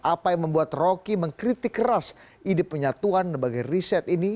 apa yang membuat rocky mengkritik keras ide penyatuan sebagai riset ini